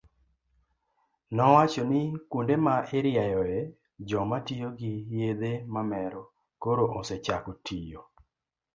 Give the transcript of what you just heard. nowacho ni kuonde ma irieyoe joma tiyo gi yedhe mamero koro osechako tiyo.